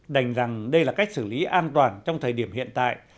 đành rằng đây là cách xử lý an toàn trong thời điểm hiện tại